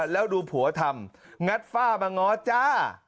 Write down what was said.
แล้วดูผัวทำงัดฝ้ามาง้อจ้า